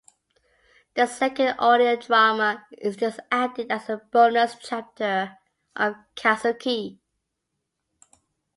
The second audio drama is just added as a "bonus chapter" of Kazuki.